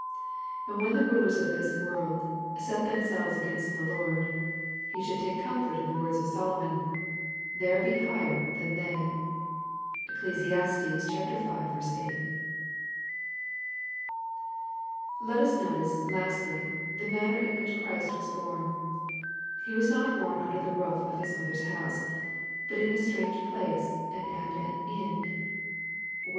And when the rulers of this world " set themselves against the Lord," he should take comfort in the words of Solomon, "There be higher than they." (Eccles. v. 8.) Let us notice, lastly, the manner in which Christ was born. He was not born under the roof of His mother's house, but in a strange place, and at an " inn." When 52 EXPOSITOBY THOUGHTS.